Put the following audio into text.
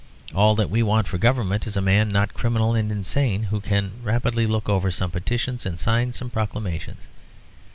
All that we want for Government is a man not criminal and insane, who can rapidly look over some petitions and sign some proclamations.